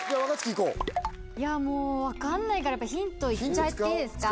こういやもう分かんないからヒントいっちゃっていいですか？